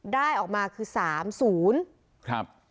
ได้ออกมาคือ๓๐ครับ